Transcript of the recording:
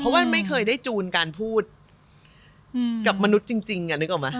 เพราะว่าไม่เคยได้จูนการพูดกับมนุษย์จริงนึกออกไหม